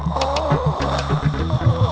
berapa lagi itu ituh